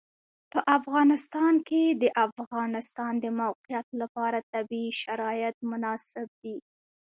په افغانستان کې د د افغانستان د موقعیت لپاره طبیعي شرایط مناسب دي.